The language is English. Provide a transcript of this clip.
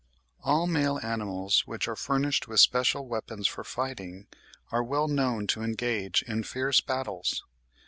All male animals which are furnished with special weapons for fighting, are well known to engage in fierce battles.